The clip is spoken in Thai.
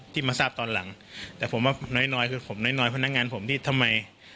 ที่มาทราบตอนหลังแต่ผมว่าน้อยผมน้อยน้อยคำน้าง่านผมที่ทำไม